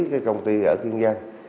cái công ty ở kiên giang